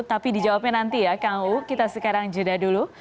tapi dijawabnya nanti ya kang uu kita sekarang jeda dulu